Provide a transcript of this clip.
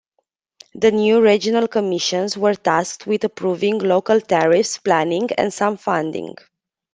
The new regional commissions were tasked with approving local tariffs, planning, and some funding.